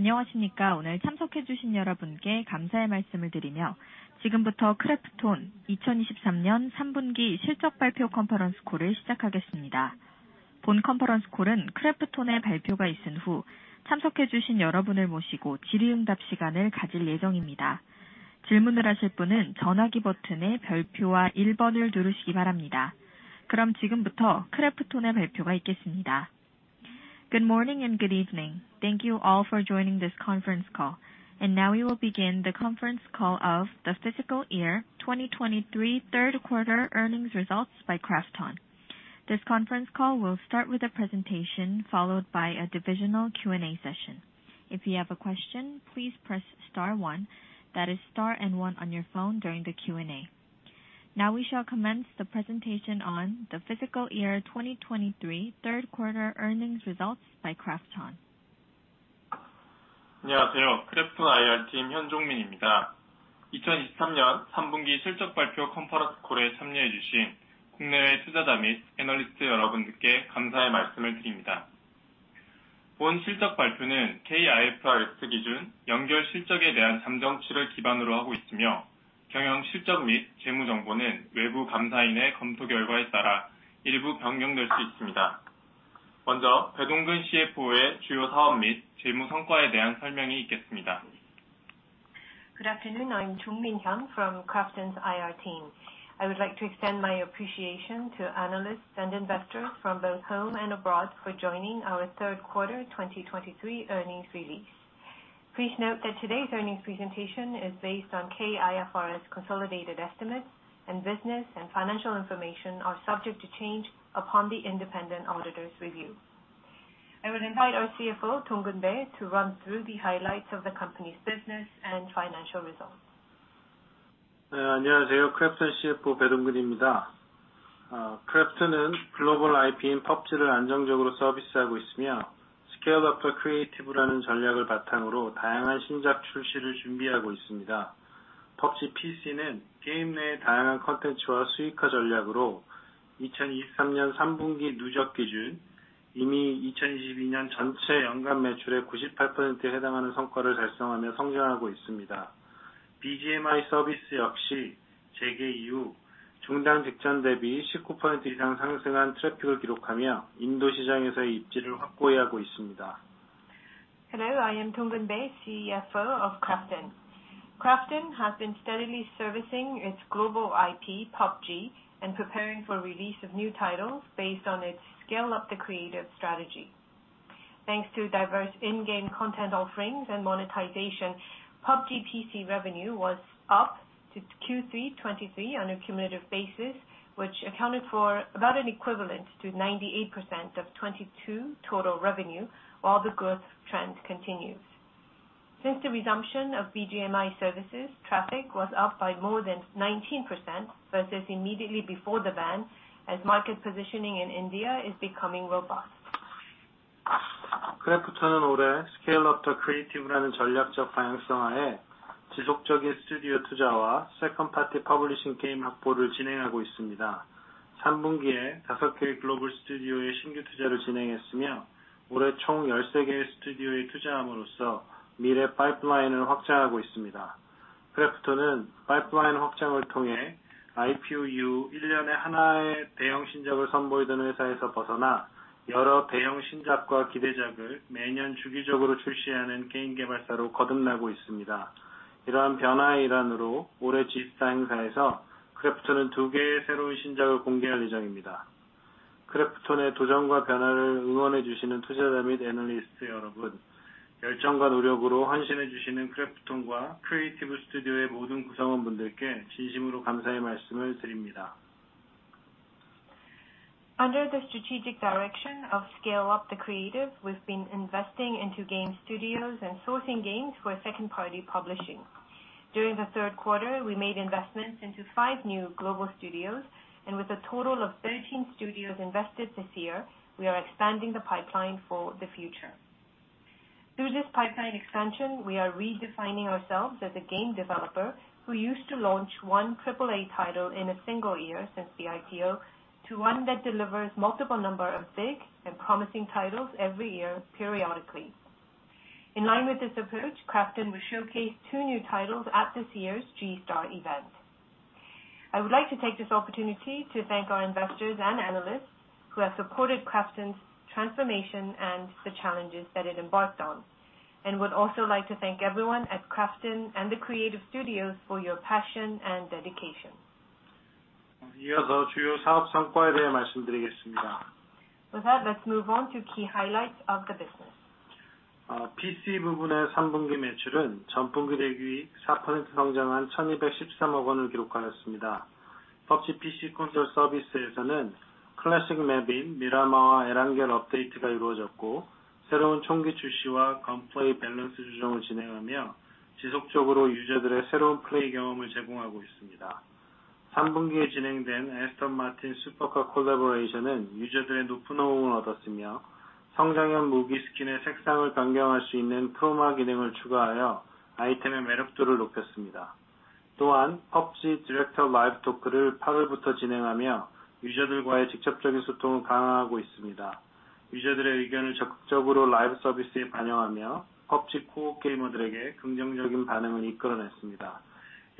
(FL). Good morning and good evening. Thank you all for joining this conference call, and now we will begin the conference call of the fiscal year 2023 third quarter earnings results by KRAFTON. This conference call will start with a presentation, followed by a Q&A session. If you have a question, please press star one. That is star and one on your phone during the Q&A. Now we shall commence the presentation on the fiscal year 2023 third quarter earnings results by KRAFTON. (FL). 2023 Q3 (FL) K-IFRS . Good afternoon. I'm Jung Min Hyun from KRAFTON's IR team. I would like to extend my appreciation to analysts and investors from both home and abroad for joining our third quarter 2023 earnings release. Please note that today's earnings presentation is based on K-IFRS consolidated estimates, and business and financial information are subject to change upon the independent auditor's review. I would invite our CFO, Donghoon Bae, to run through the highlights of the company's business and financial results. (FL) CFO (FL) IP PUBG (FL0, Scale-Up the Creative (FL). Hello, I am Donghoon Bae, CFO of KRAFTON. KRAFTON has been steadily servicing its global IP, PUBG, and preparing for release of new titles based on its Scale-Up the Creative strategy. Thanks to diverse in-game content offerings and monetization, PUBG PC revenue was up to Q3 2023 on a cumulative basis, which accounted for about an equivalent to 98% of 2022 total revenue, while the growth trend continues. Since the resumption of BGMI services, traffic was up by more than 19% versus immediately before the ban, as market positioning in India is becoming robust. (FL). Under the strategic direction of Scale-Up the Creative, we've been investing into game studios and sourcing games for second party publishing. During the third quarter, we made investments into five new global studios, and with a total of thirteen studios invested this year, we are expanding the pipeline for the future. Through this pipeline expansion, we are redefining ourselves as a game developer who used to launch one triple-A title in a single year since the IPO to one that delivers multiple number of big and promising titles every year periodically. In line with this approach, KRAFTON will showcase two new titles at this year's G-STAR event. I would like to take this opportunity to thank our investors and analysts who have supported KRAFTON's transformation and the challenges that it embarked on and would also like to thank everyone at KRAFTON and the creative studios for your passion and dedication. (FL). With that, let's move on to key highlights of the business.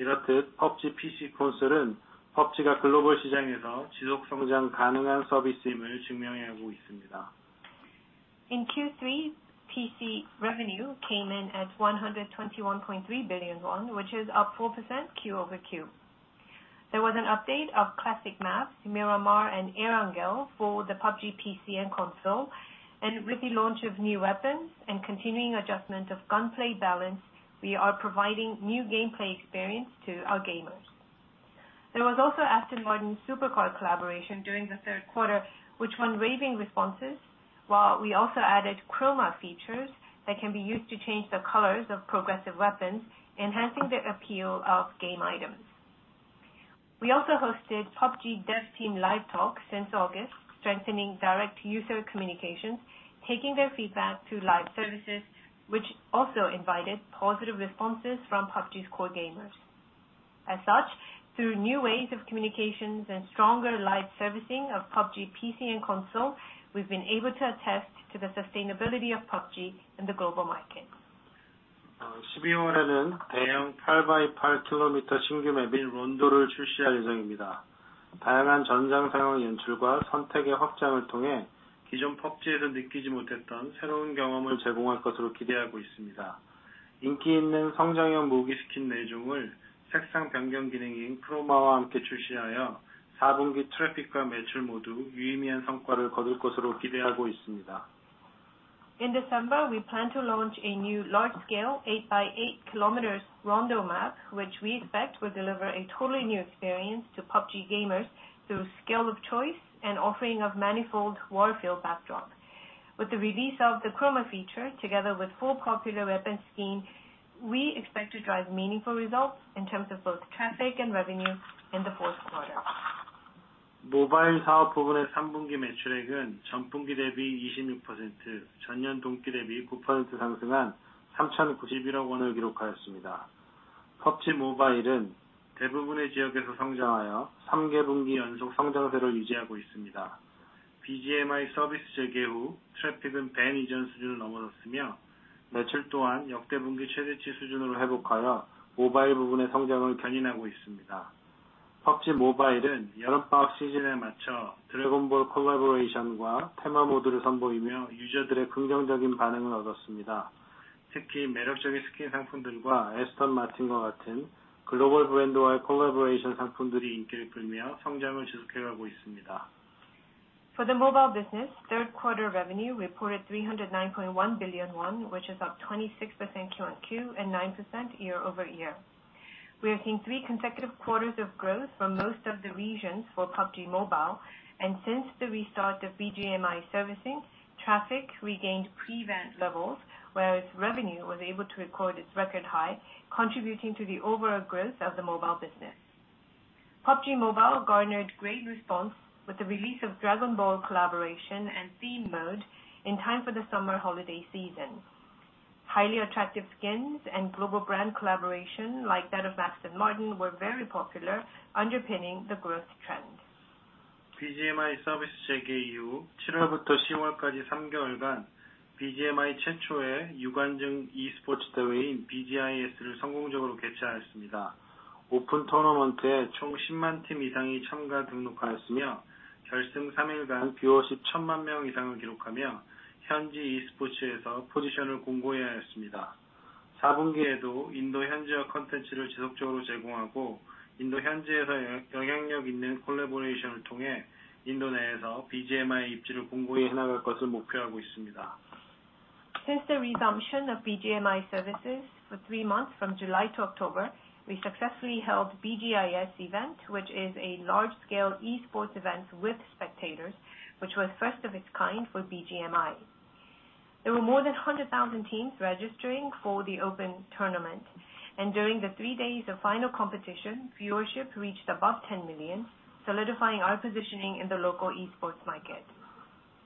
(FL). In Q3, PC revenue came in at 121.3 billion, which is up 4% quarter-over-quarter. There was an update of classic maps, Miramar and Erangel, for the PUBG PC and console, and with the launch of new weapons and continuing adjustment of gunplay balance, we are providing new gameplay experience to our gamers. There was also Aston Martin supercar collaboration during the third quarter, which won raving responses, while we also added Chroma features that can be used to change the colors of progressive weapons, enhancing the appeal of game items. We also hosted PUBG Dev Team Live Talk since August, strengthening direct user communications, taking their feedback to live services, which also invited positive responses from PUBG's core gamers. As such, through new ways of communications and stronger live servicing of PUBG PC and console, we've been able to attest to the sustainability of PUBG in the global market. (FL). In December, we plan to launch a new large-scale eight by eight kilometers Rondo map, which we expect will deliver a totally new experience to PUBG gamers through scale of choice and offering of manifold warfield backdrop. With the release of the Chroma feature, together with four popular weapon schemes, we expect to drive meaningful results in terms of both traffic and revenue in the fourth quarter. (FL). For the mobile business, third quarter revenue reported ₩309.1 billion, which is up 26% Q-on-Q and 9% year-over-year. We are seeing three consecutive quarters of growth from most of the regions for PUBG Mobile, and since the restart of BGMI servicing, traffic regained pre-ban levels, whereas revenue was able to record its record high, contributing to the overall growth of the mobile business. PUBG Mobile garnered great response with the release of Dragon Ball collaboration and theme mode in time for the summer holiday season. Highly attractive skins and global brand collaboration, like that of Aston Martin, were very popular, underpinning the growth trend (FL). Since the resumption of BGMI services for three months, from July to October, we successfully held BGIS event, which is a large-scale e-sports event with spectators, which was first of its kind for BGMI. There were more than one hundred thousand teams registering for the open tournament, and during the three days of final competition, viewership reached above 10 million, solidifying our positioning in the local e-sports market.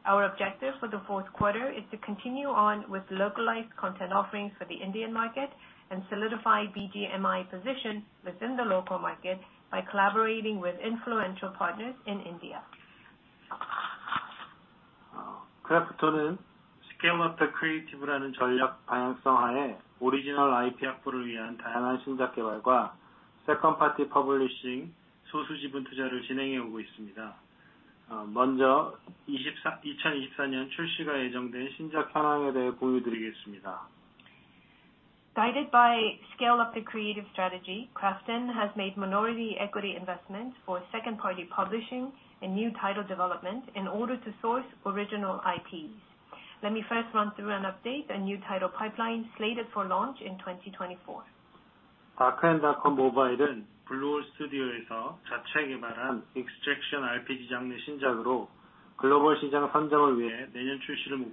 Our objective for the fourth quarter is to continue with localized content offerings for the Indian market and solidify BGMI position within the local market by collaborating with influential partners in India. (FL). Guided by Scale-Up the Creative strategy, Krafton has made minority equity investments for second-party publishing and new title development in order to source original IPs. Let me first run through an update on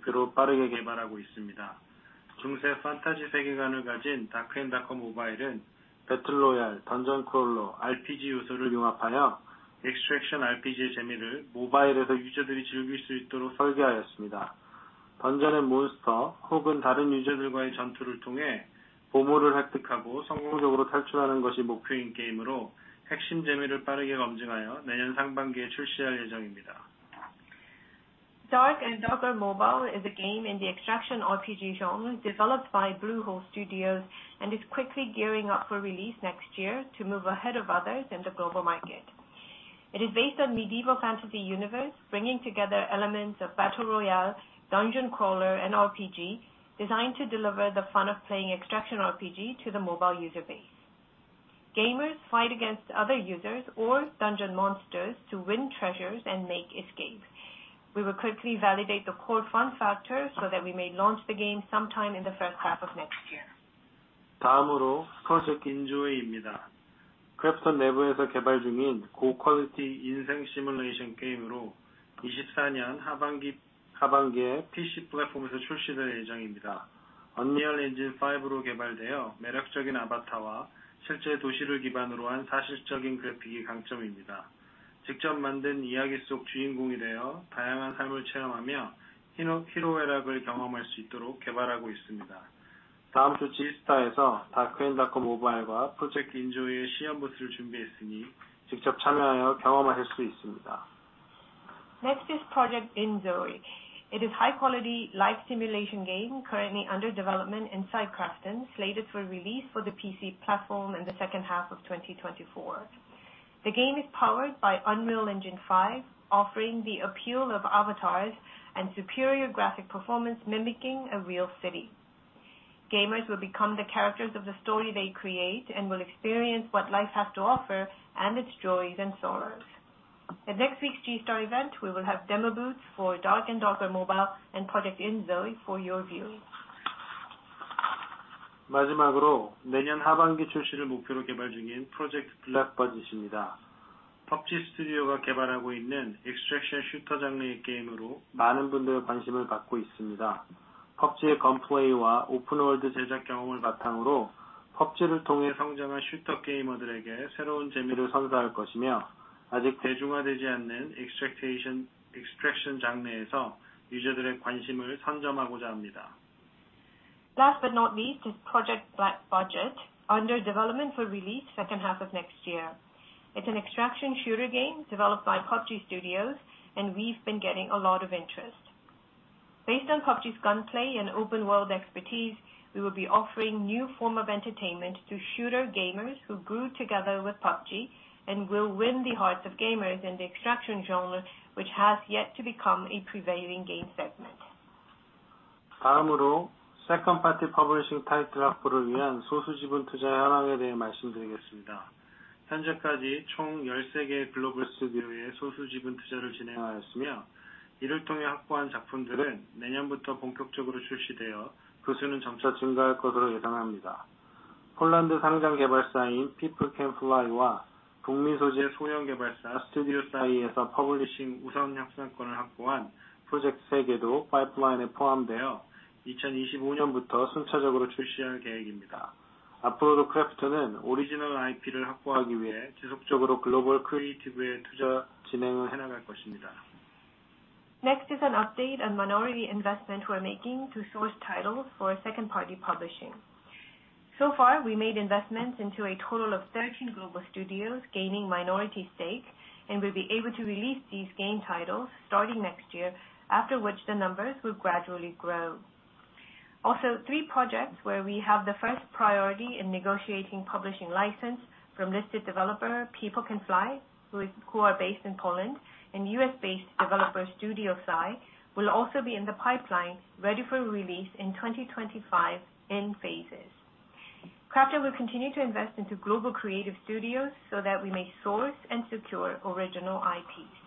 new title pipeline slated for launch in 2024. (FL). Dark and Darker Mobile is a game in the extraction RPG genre, developed by Bluehole Studio, and is quickly gearing up for release next year to move ahead of others in the global market. It is based on a medieval fantasy universe, bringing together elements of Battle Royale, Dungeon Crawler, and RPG, designed to deliver the fun of playing extraction RPG to the mobile user base. Gamers fight against other users or dungeon monsters to win treasures and make their escape. We will quickly validate the core fun factor so that we may launch the game sometime in the first half of next year. (FL). Next is Project inZOI. It is a high quality life simulation game, currently under development inside Krafton, slated for release for the PC platform in the second half of 2024. The game is powered by Unreal Engine 5, offering the appeal of avatars and superior graphic performance, mimicking a real city. Gamers will become the characters of the story they create and will experience what life has to offer and its joys and sorrows. At next week's G-STAR event, we will have demo booths for Dark and Darker Mobile and Project inZOI for your viewing. (FL). Last but not least is Project Black Budget, under development for release second half of next year. It's an extraction shooter game developed by PUBG Studios, and we've been getting a lot of interest. Based on PUBG's gunplay and open world expertise, we will be offering new form of entertainment to shooter gamers who grew together with PUBG and will win the hearts of gamers in the extraction genre, which has yet to become a prevailing game segment. (FL). Next is an update on minority investment we're making to source titles for second party publishing. So far, we made investments into a total of thirteen global studios, gaining minority stake, and will be able to release these game titles starting next year, after which the numbers will gradually grow. Also, three projects where we have the first priority in negotiating publishing license from listed developer, People Can Fly, who are based in Poland, and US-based developer, Studio Sai, will also be in the pipeline, ready for release in 2025 in phases. Krafton will continue to invest into global creative studios so that we may source and secure original IPs.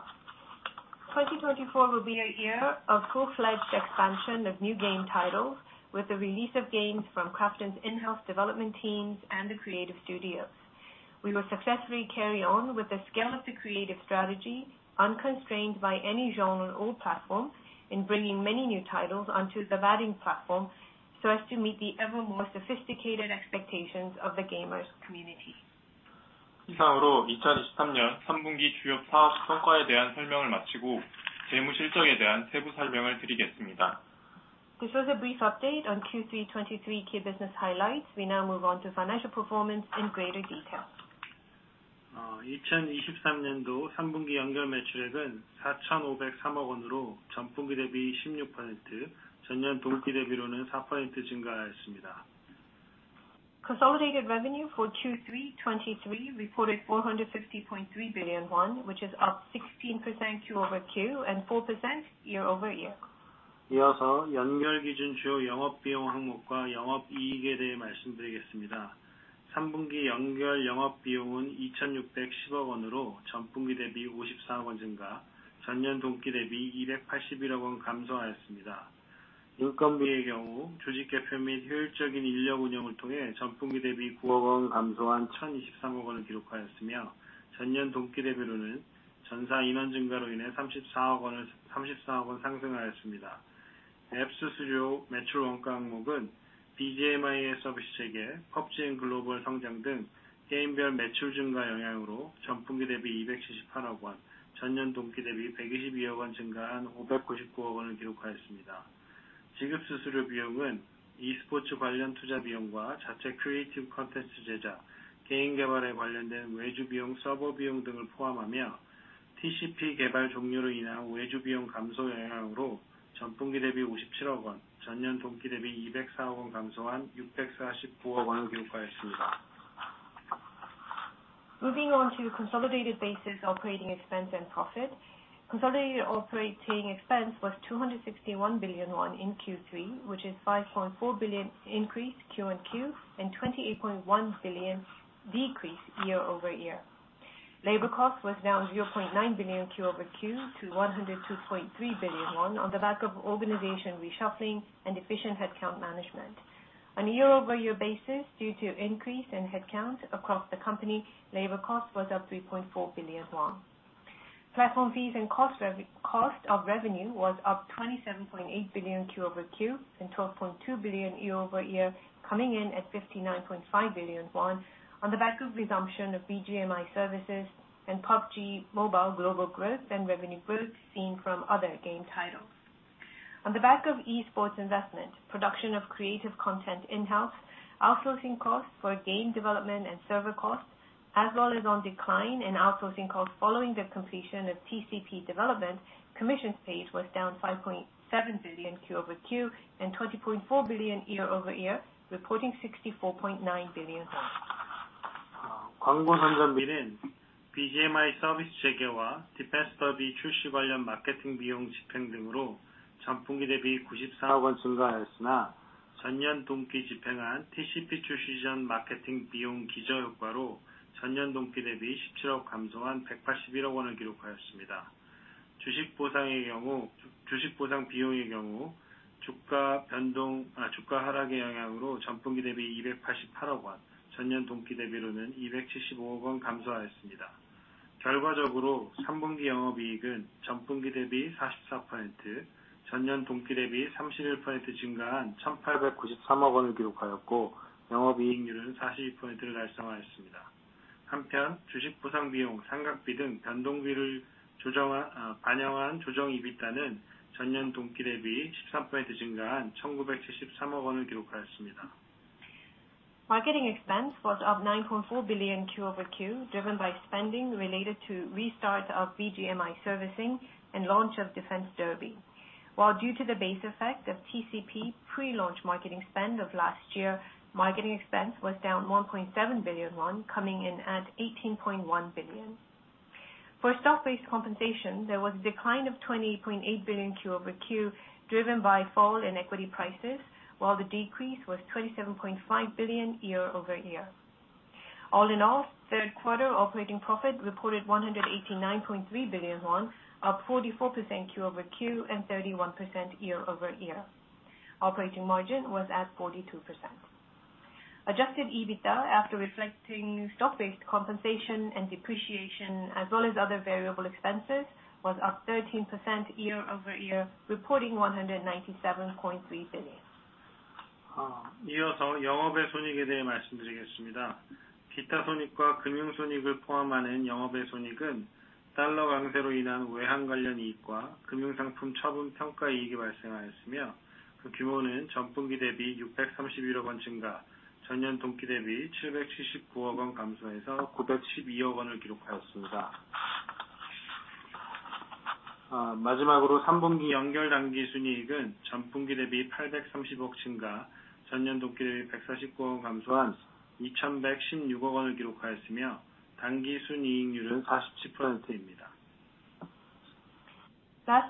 (FL). 2024 will be a year of full-fledged expansion of new game titles, with the release of games from Krafton's in-house development teams and the creative studios. We will successfully carry on with the Scale-Up the Creative strategy, unconstrained by any genre or platform, in bringing many new titles onto the budding platform so as to meet the ever more sophisticated expectations of the gamers community. (FL). This was a brief update on Q3 2023 key business highlights. We now move on to financial performance in greater detail. (FL). Consolidated revenue for Q3 2023 reported ₩450.3 billion, which is up 16% Q over Q and 4% year-over-year. (FL). Moving on to consolidated basis, operating expense and profit. Consolidated operating expense was ₩261 billion in Q3, which is ₩5.4 billion increase Q-over-Q, and ₩28.1 billion decrease year-over-year. Labor cost was down ₩0.9 billion Q-over-Q to ₩102.3 billion on the back of organization reshuffling and efficient headcount management. On a year-over-year basis, due to increase in headcount across the company, labor cost was up ₩3.4 billion. Platform fees and cost of revenue was up ₩27.8 billion Q-over-Q and ₩12.2 billion year-over-year, coming in at ₩59.5 billion on the back of resumption of BGMI services and PUBG mobile global growth and revenue growth seen from other game titles. On the back of esports investment, production of creative content in-house, outsourcing costs for game development and server costs, as well as decline in outsourcing costs following the completion of TCP development, commissions paid was down ₩5.7 billion Q-over-Q and ₩20.4 billion year-over-year, reporting ₩64.9 billion. (FL). Marketing expense was up $9.4 billion Q-over-Q, driven by spending related to restart of BGMI servicing and launch of Defense Derby. While due to the base effect of TCP pre-launch marketing spend of last year, marketing expense was down ₩1.7 billion, coming in at ₩18.1 billion. For stock-based compensation, there was a decline of ₩20.8 billion Q-over-Q, driven by fall in equity prices, while the decrease was ₩27.5 billion year-over-year. All in all, third quarter operating profit reported ₩189.3 billion, up 44% Q-over-Q and 31% year-over-year. Operating margin was at 42%. Adjusted EBITDA after reflecting stock-based compensation and depreciation, as well as other variable expenses, was up 13% year-over-year, reporting ₩197.3 billion. (FL). Last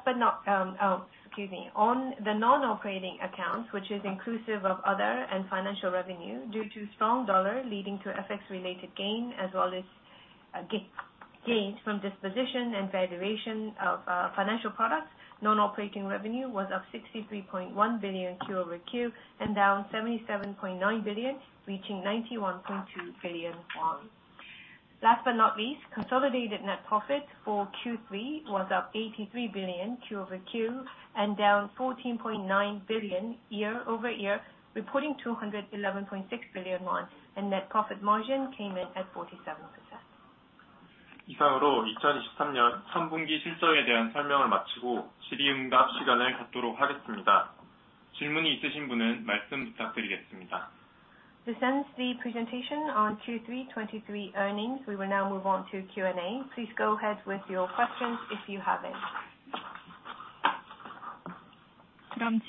but not least, on the non-operating accounts, which is inclusive of other and financial revenue due to strong dollar leading to FX related gain, as well as gains from disposition and valuation of financial products, non-operating revenue was up ₩63.1 billion Q-over-Q and down ₩77.9 billion, reaching ₩91.2 billion won. Last but not least, consolidated net profit for Q3 was up ₩83 billion Q-over-Q and down ₩14.9 billion year-over-year, reporting ₩211.6 billion won, and net profit margin came in at 47%. (FL). This ends the presentation on Q3 2023 earnings. We will now move on to Q&A. Please go ahead with your questions if you have them. (FL).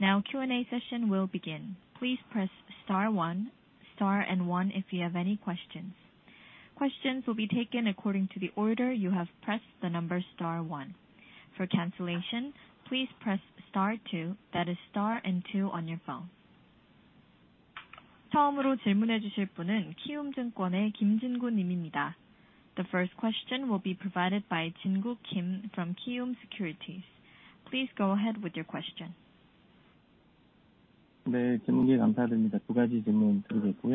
Now Q&A session will begin. Please press star one, star and one, if you have any questions. Questions will be taken according to the order you have pressed the number star one. For cancellation, please press star two, that is star and two on your phone. The first question will be provided by Jingu Kim from Kiwoom Securities. Please go ahead with your question. Thank you for taking my question.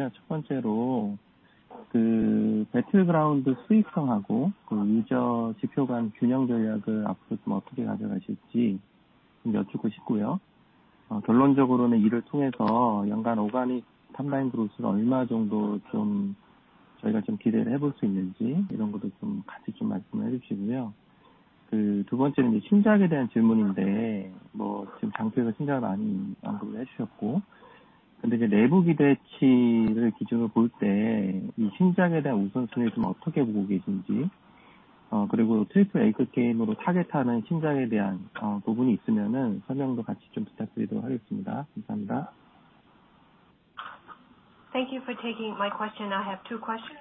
I have two questions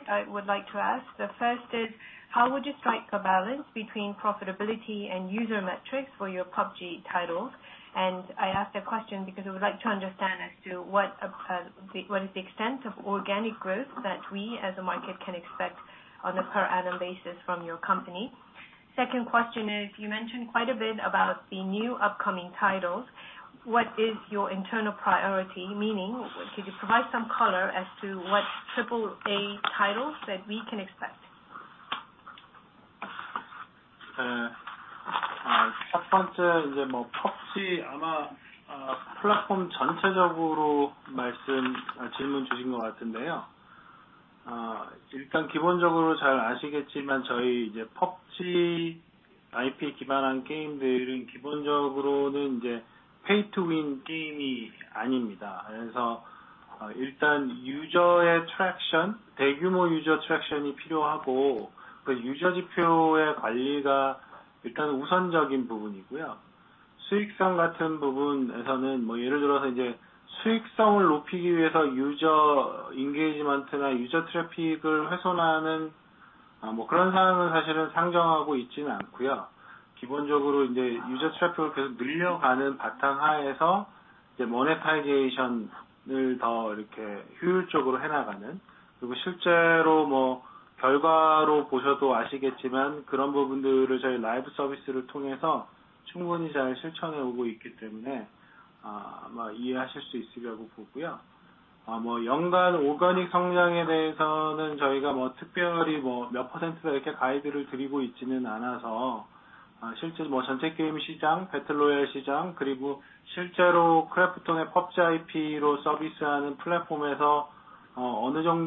I would like to ask. The first is: how would you strike a balance between profitability and user metrics for your PUBG title? I asked that question because I would like to understand what is the extent of organic growth that we as a market can expect on a per annum basis from your company. Second question is, you mentioned quite a bit about the new upcoming titles. What is your internal priority? Meaning, could you provide some color as to what triple A titles that we can expect? (FL). Responding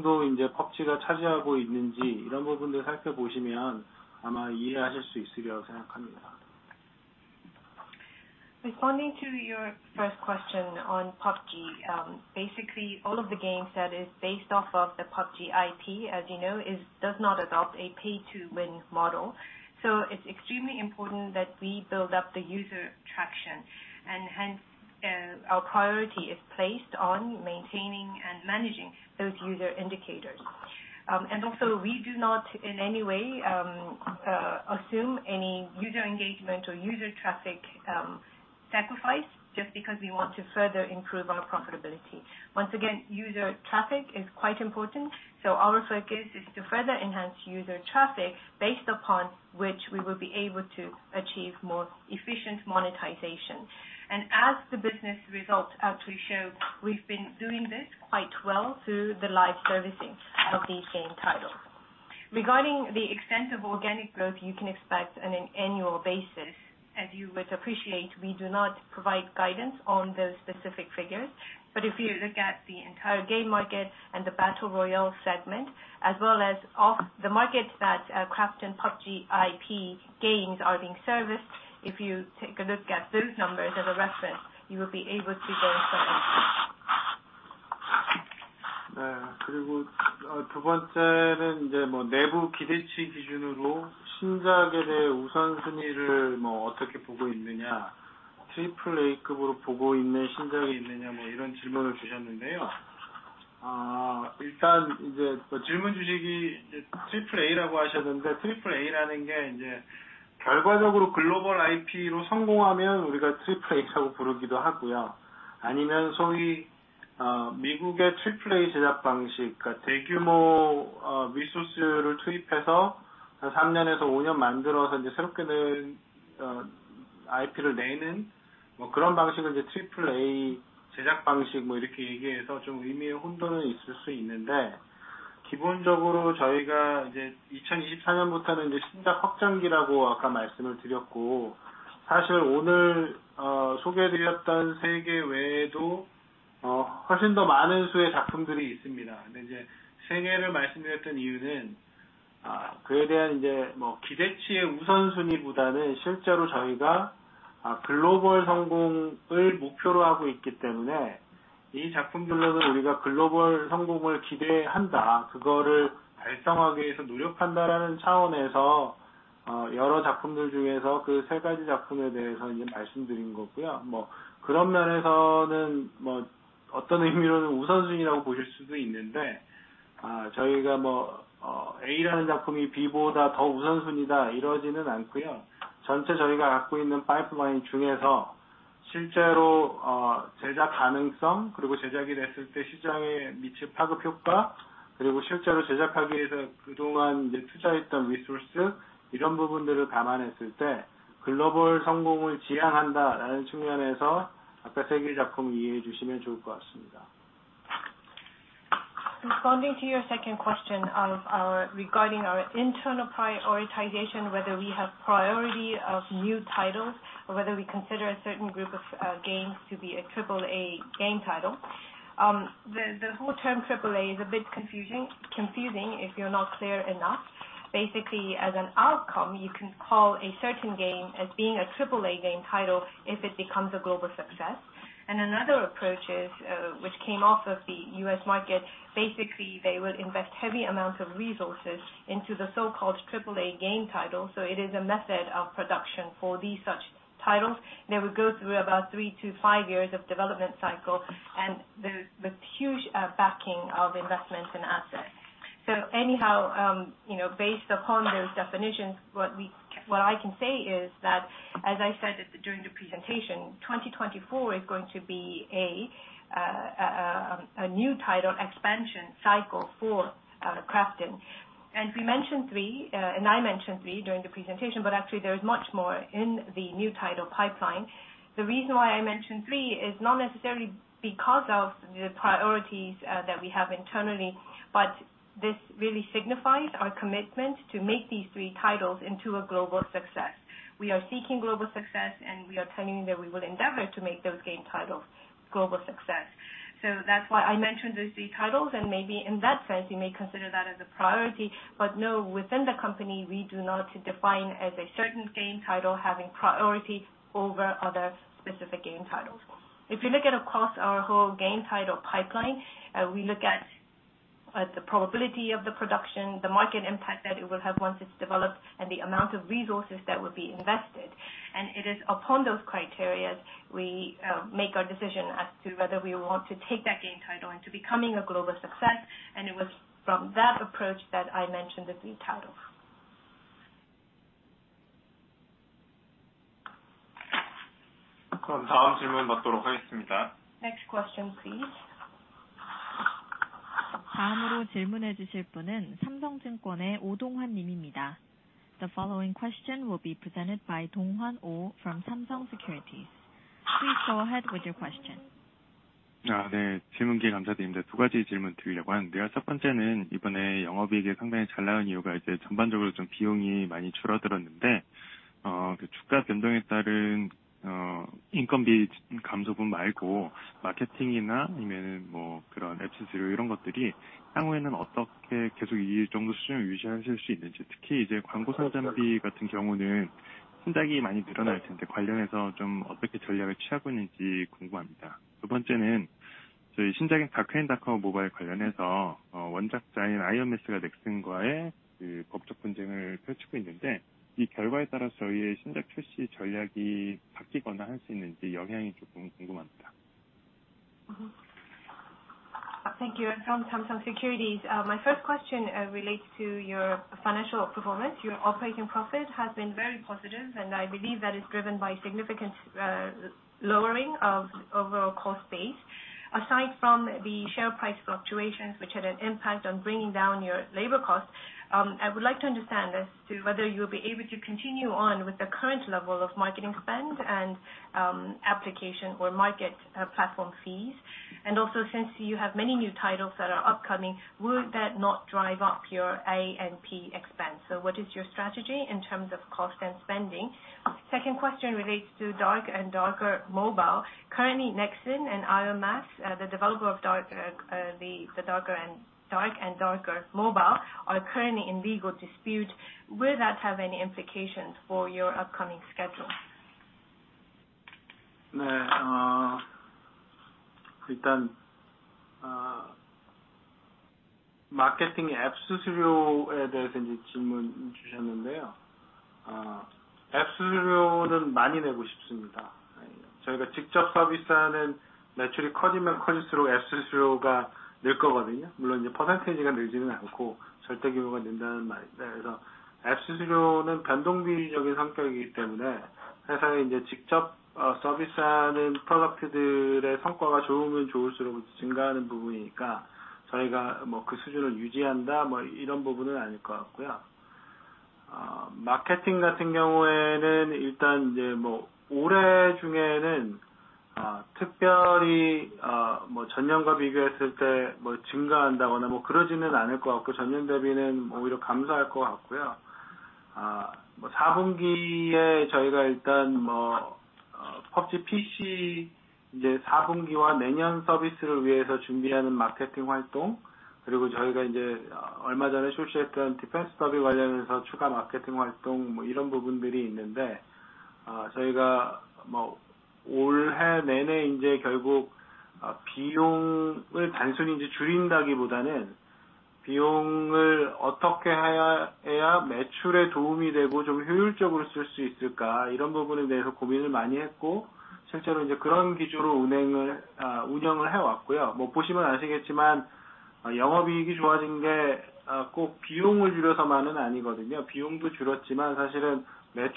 to your first question on PUBG, basically all of the games that are based off of the PUBG IP, as you know, do not adopt a pay to win model. So it's extremely important that we build up the user traction, and hence, our priority is placed on maintaining and managing those user indicators. Also we do not in any way assume any user engagement or user traffic sacrifice just because we want to further improve our profitability. Once again, user traffic is quite important, so our focus is to further enhance user traffic based upon which we will be able to achieve more efficient monetization. As the business results actually show, we've been doing this quite well through the live servicing of these game titles. Regarding the extent of organic growth you can expect on an annual basis. As you would appreciate, we do not provide guidance on those specific figures, but if you look at the entire game market and the Battle Royale segment, as well as the markets that Krafton PUBG IP games are being serviced, if you take a look at those numbers as a reference, you will be able to go further. (FL). Responding to your second question regarding our internal prioritization, whether we have priority of new titles or whether we consider a certain group of games to be a triple-A game title. The whole term triple-A is a bit confusing if you're not clear enough. Basically, as an outcome, you can call a certain game as being a triple-A game title if it becomes a global success. Another approach is which came off of the US market. Basically, they will invest heavy amount of resources into the so-called triple-A game title, so it is a method of production for these such titles. They will go through about three to five years of development cycle and the huge backing of investments and assets. So anyhow, based upon those definitions, what I can say is that, as I said during the presentation, 2024 is going to be a new title expansion cycle for KRAFTON. I mentioned three during the presentation, but actually there is much more in the new title pipeline. The reason why I mentioned three is not necessarily because of the priorities that we have internally, but this really signifies our commitment to make these three titles into a global success. We are seeking global success, and we are telling you that we will endeavor to make those game titles global success. So that's why I mentioned those three titles, and maybe in that sense, you may consider that as a priority, but no, within the company, we do not define as a certain game title having priority over other specific game titles. If you look at across our whole game title pipeline, we look at the probability of the production, the market impact that it will have once it's developed and the amount of resources that will be invested. It is upon those criteria we make our decision as to whether we want to take that game title into becoming a global success, and it was from that approach that I mentioned the three titles. (FL). Next question, please. (FL). The following question will be presented by Donghwan Oh from Samsung Securities. Please go ahead (FL). Thank you. From Samsung Securities. My first question relates to your financial performance. Your operating profit has been very positive, and I believe that is driven by significant lowering of overall cost base. Aside from the share price fluctuations, which had an impact on bringing down your labor costs, I would like to understand as to whether you will be able to continue on with the current level of marketing spend and application or market platform fees. Also, since you have many new titles that are upcoming, will that not drive up your A&P expense? So what is your strategy in terms of cost and spending? Second question relates to Dark and Darker Mobile. Currently, Nexon and Ironmace, the developer of Dark and Darker Mobile, are currently in legal dispute. Will that have any implications for your upcoming schedule? (FL).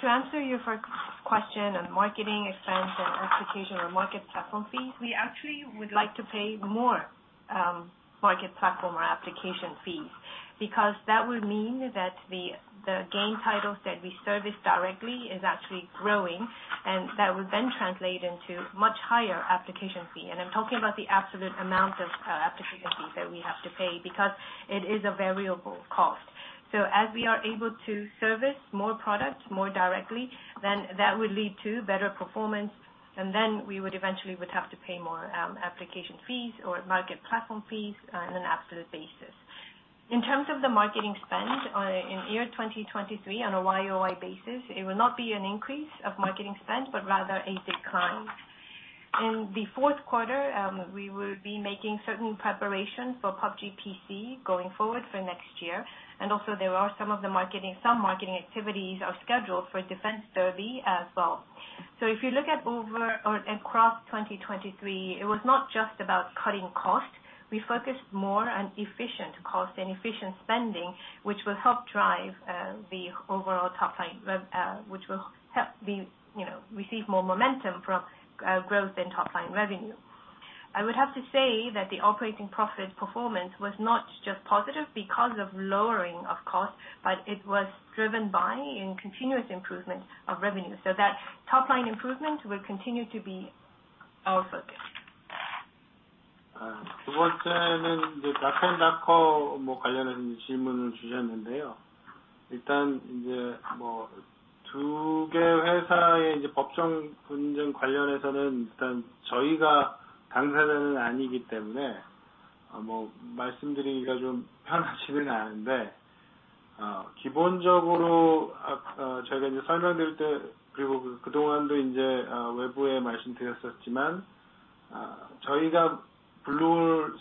To answer your first question on marketing expense and application or market platform fees, we actually would like to pay more market platform or application fees, because that would mean that the game titles that we service directly is actually growing, and that would then translate into much higher application fee. I'm talking about the absolute amount of application fees that we have to pay because it is a variable cost. So as we are able to service more products more directly, then that would lead to better performance, and then we would eventually would have to pay more application fees or market platform fees on an absolute basis. In terms of the marketing spend in 2023 on a year-over-year basis, it will not be an increase of marketing spend, but rather a decline. In the fourth quarter, we will be making certain preparations for PUBG PC going forward for next year, and also there are some marketing activities are scheduled for Defense Derby as well. So if you look at over or across 2023, it was not just about cutting costs. We focused more on efficient cost and efficient spending, which will help drive the overall top line revenue, which will help receive more momentum from growth in top line revenue. I would have to say that the operating profit performance was not just positive because of lowering of costs, but it was driven by continuous improvement of revenue. So that top line improvement will continue to be our focus. (FL).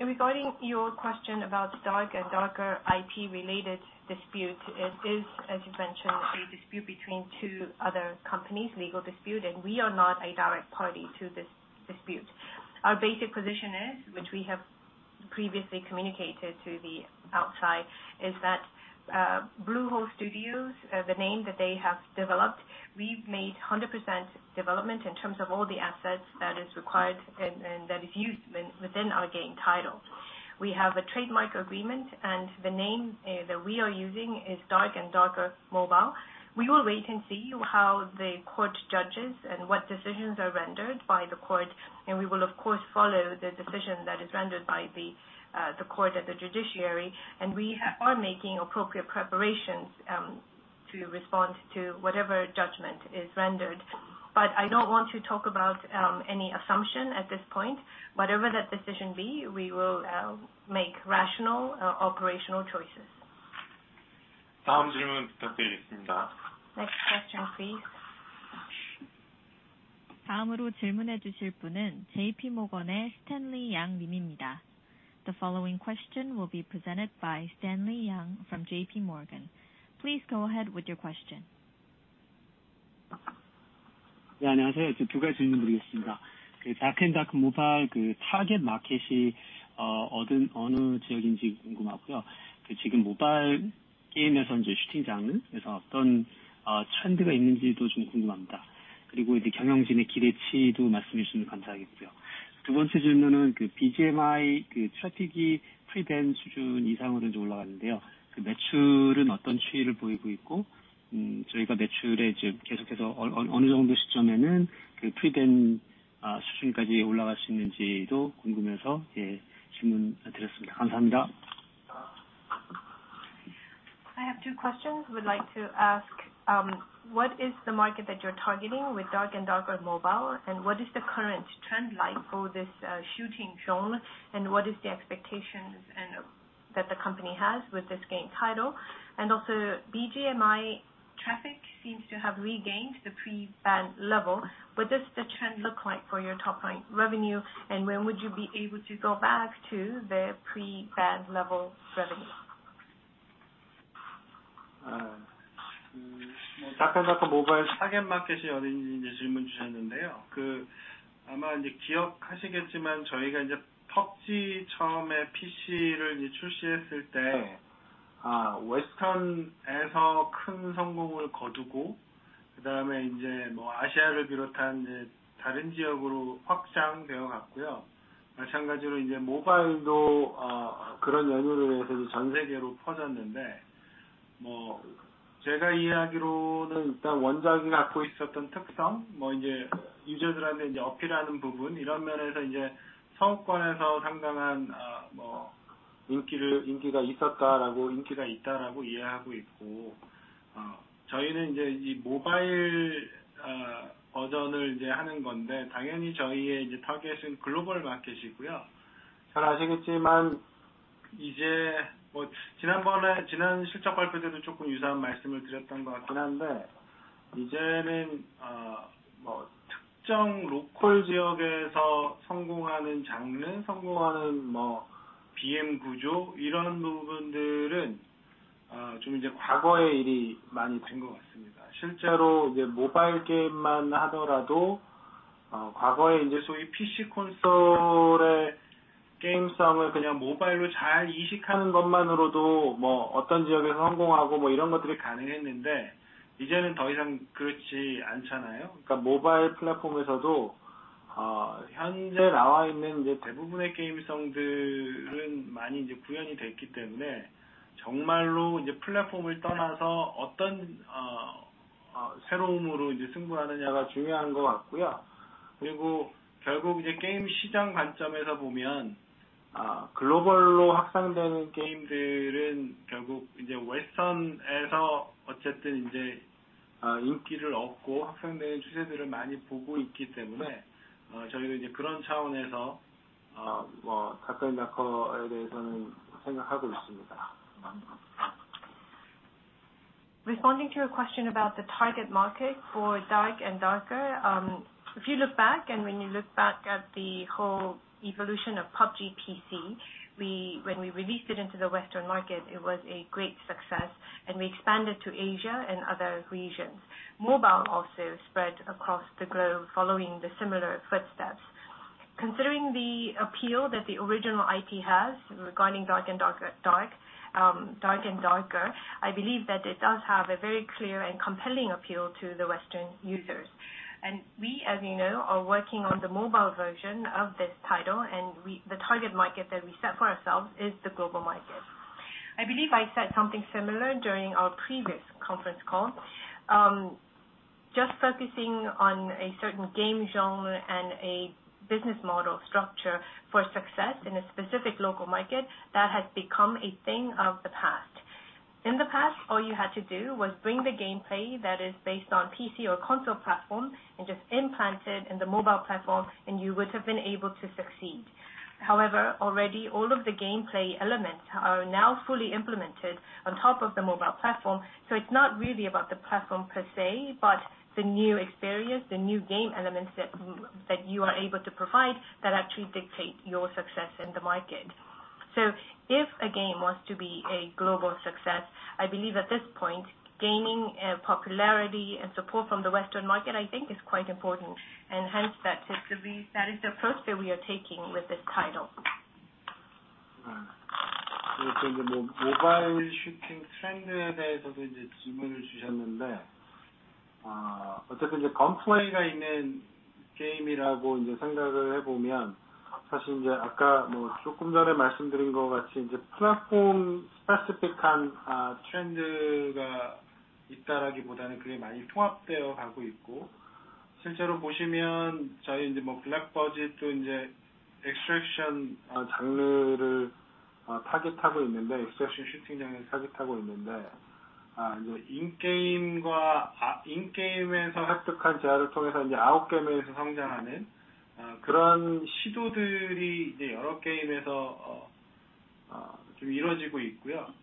Regarding your question about Dark and Darker IP related dispute, it is, as you mentioned, a dispute between two other companies, legal dispute, and we are not a direct party to this dispute. Our basic position is, which we have previously communicated to the outside, is that Bluehole Studios, the name that they have developed, we've made 100% development in terms of all the assets that is required and that is used within our game title. We have a trademark agreement, and the name that we are using is Dark and Darker Mobile. We will wait and see how the court judges and what decisions are rendered by the court, and we will, of course, follow the decision that is rendered by the court and the judiciary, and we are making appropriate preparations to respond to whatever judgment is rendered. But I don't want to talk about any assumption at this point. Whatever that decision be, we will make rational operational choices. (FL). Next question (FL). I have two questions. I would like to ask what is the market that you're targeting with Dark and Darker Mobile? What is the current trend like for this shooting genre? What are the expectations that the company has with this game title? Also, BGMI traffic seems to have regained the pre-ban level. What does the trend look like for your top line revenue, and when would you be able to go back to the pre-ban level revenue? (FL). Responding to your question about the target market for Dark and Darker. If you look back at the whole evolution of PUBG PC, when we released it into the Western market, it was a great success and we expanded to Asia and other regions. Mobile also spread across the globe following the similar footsteps. Considering the appeal that the original IP has regarding Dark and Darker, I believe that it does have a very clear and compelling appeal to the Western users. As you know, we are working on the mobile version of this title, and the target market that we set for ourselves is the global market. I believe I said something similar during our previous conference call. Just focusing on a certain game genre and a business model structure for success in a specific local market has become a thing of the past. In the past, all you had to do was bring the gameplay that is based on PC or console platform and just implant it in the mobile platform, and you would have been able to succeed. However, all of the gameplay elements are now fully implemented on top of the mobile platform, so it's not really about the platform per se, but the new experience, the new game elements that you are able to provide that actually dictate your success in the market. So if a game wants to be a global success, I believe at this point, gaining popularity and support from the Western market is quite important and hence that is the approach that we are taking with this title. (FL). Regarding the current trend that we are seeing for the mobile shooting genre,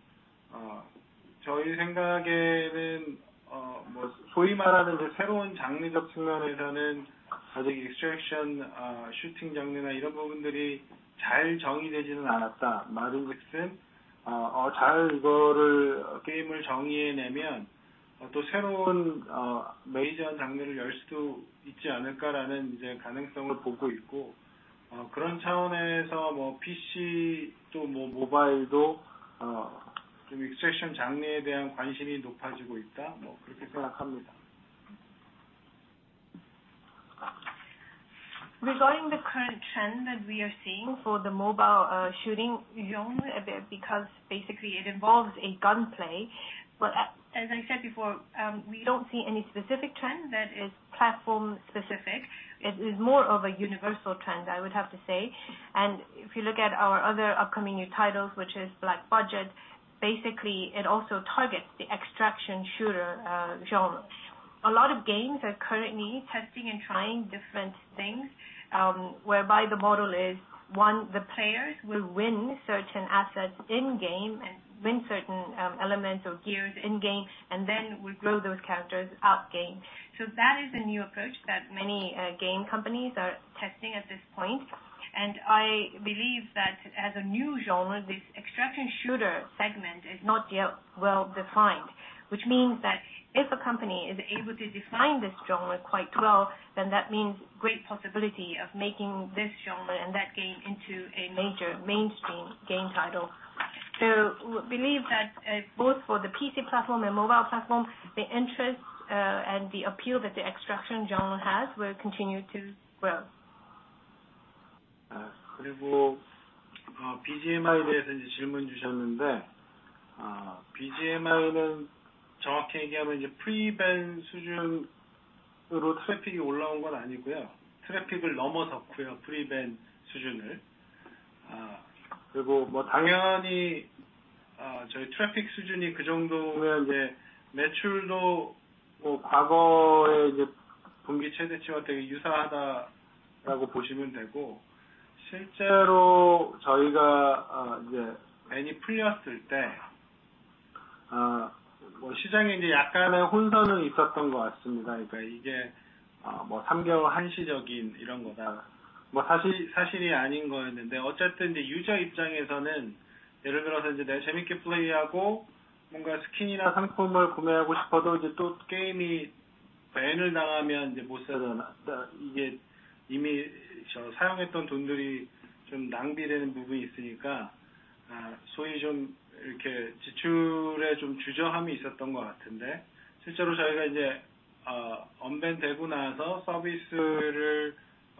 because basically it involves gun play. But as I said before, we don't see any specific trend that is platform specific. It is more of a universal trend, I would have to say. If you look at our other upcoming new titles, which is Black Budget, basically it also targets the extraction shooter genre. A lot of games are currently testing and trying different things, whereby the model is one, the players will win certain assets in-game and win certain elements or gears in-game, and then we grow those characters out game. So that is a new approach that many game companies are testing at this point. I believe that as a new genre, this extraction shooter segment is not yet well defined, which means that if a company is able to define this genre quite well, then that means great possibility of making this genre and that game into a major mainstream game title. So we believe that both for the PC platform and mobile platform, the interest and the appeal that the extraction genre has will continue to grow.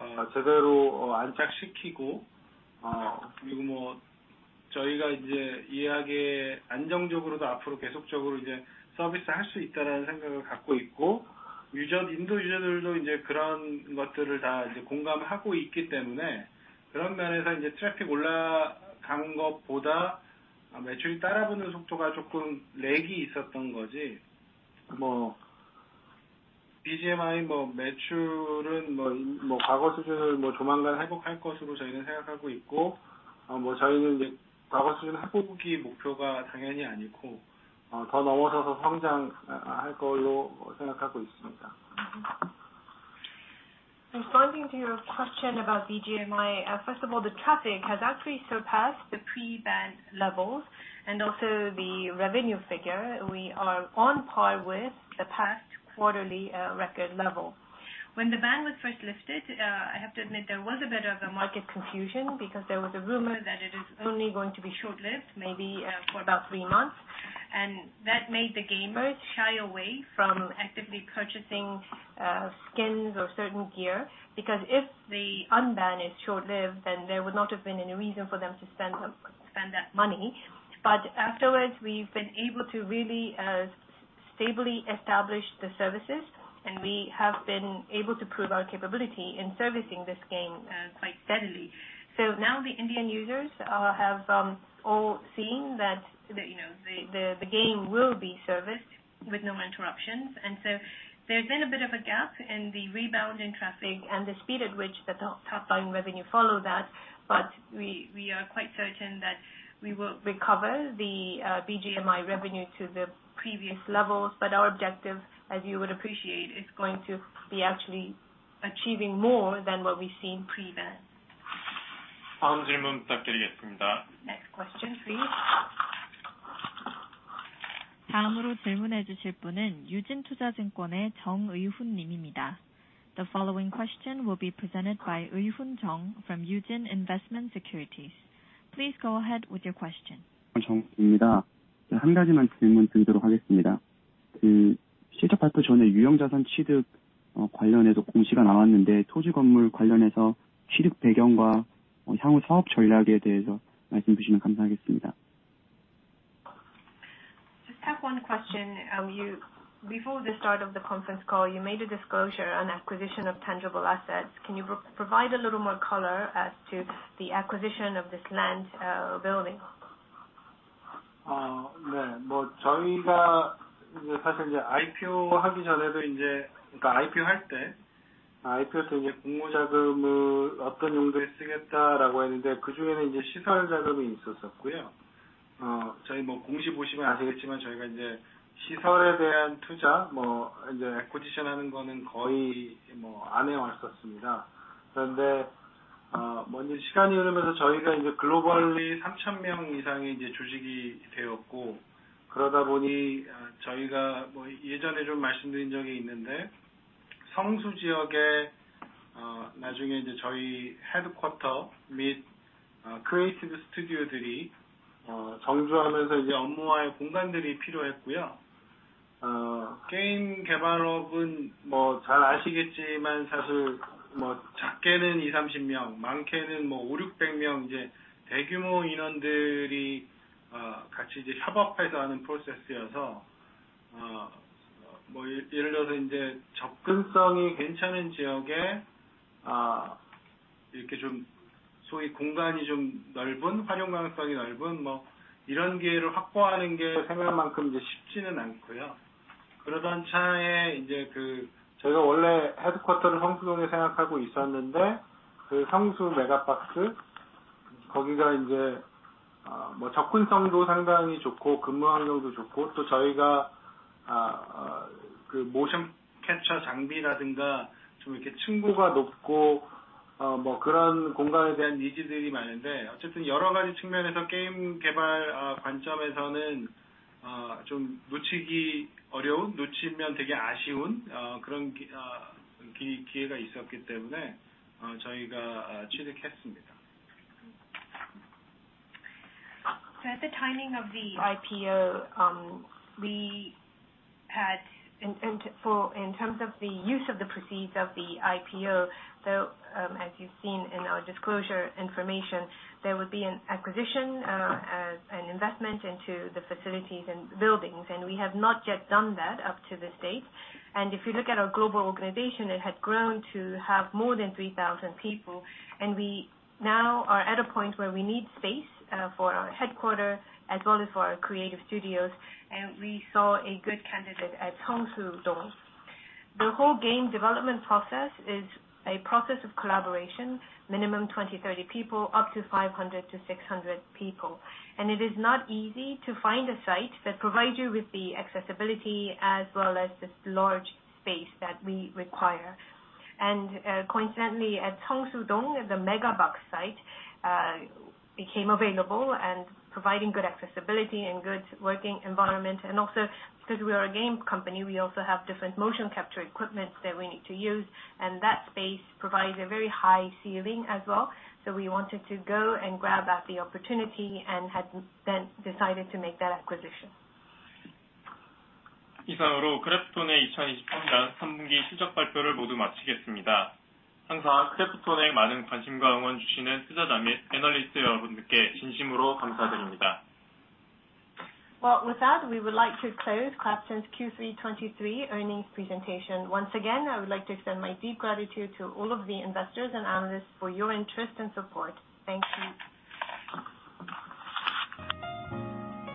(FL). Responding to your question about BGMI. First of all, the traffic has actually surpassed the pre-ban levels and also the revenue figure. We are on par with the past quarterly record level. When the ban was first lifted, I have to admit there was a bit of a market confusion because there was a rumor that it is only going to be short lived, maybe for about three months, and that made the gamers shy away from actively purchasing skins or certain gear, because if the unban is short lived, then there would not have been any reason for them to spend that money. But afterwards, we've been able to really stably establish the services, and we have been able to prove our capability in servicing this game quite steadily. So now the Indian users have all seen that the game will be serviced with no interruptions. And so there's been a bit of a gap in the rebound in traffic and the speed at which the top line revenue follow that. But we are quite certain that we will recover the BGMI revenue to the previous levels. But our objective, as you would appreciate, is going to be actually achieving more than what we've seen pre-ban. (FL). Next question, please. (FL). The following question will be presented by Eui-hoon Jung from Eugene Investment Securities. Please go ahead with your question. (FL). I just have one question. Before the start of the conference call, you made a disclosure on acquisition of tangible assets. Can you provide a little more color as to the acquisition of this land, building? (FL). At the timing of the IPO, we had in terms of the use of the proceeds of the IPO, as you've seen in our disclosure information, there would be an acquisition, an investment into the facilities and buildings, and we have not yet done that up to this date. If you look at our global organization, it had grown to have more than three thousand people, and we now are at a point where we need space for our headquarter as well as for our creative studios, and we saw a good candidate at Seongsu-dong. The whole game development process is a process of collaboration, minimum twenty, thirty people, up to five hundred to six hundred people. It is not easy to find a site that provides you with the accessibility as well as this large space that we require. Coincidentally, at Seongsu-dong, the Megabox site became available and providing good accessibility and good working environment. Also, since we are a game company, we also have different motion capture equipment that we need to use, and that space provides a very high ceiling as well. We wanted to go and grab at the opportunity and had then decided to make that acquisition. (FL). Well, with that, we would like to close KRAFTON's Q3 2023 earnings presentation. Once again, I would like to extend my deep gratitude to all of the investors and analysts for your interest and support. Thank you!